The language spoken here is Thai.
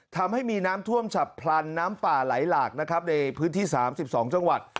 ทำให้มีน้ำท่วมฉับพลันน้ำป่าไหลหลากนะครับในพื้นที่๓๒จังหวัด